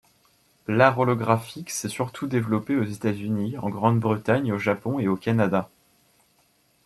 L'art holographique s'est surtout développé aux États-Unis, en Grande-Bretagne, au Japon et au Canada.